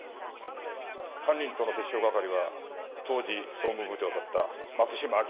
犯人との折衝係は当時総務部長だった松島明。